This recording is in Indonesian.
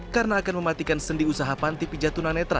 karena akan mematikan sendi usaha panti pijat tunanetra